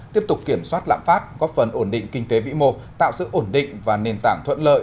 tiếp tục kiểm soát lãm phát góp phần ổn định kinh tế vĩ mô tạo sự ổn định và nền tảng thuận lợi